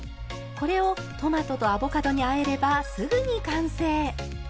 これをトマトとアボカドにあえればすぐに完成。